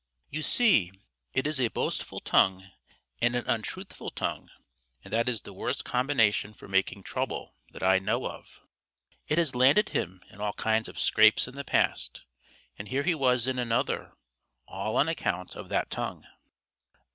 You see it is a boastful tongue and an untruthful tongue and that is the worst combination for making trouble that I know of. It has landed him in all kinds of scrapes in the past, and here he was in another, all on account of that tongue.